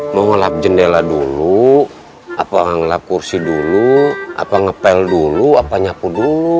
ngelap jendela dulu apa ngelap kursi dulu apa ngepel dulu apa nyapu dulu